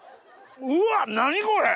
うわ何これ！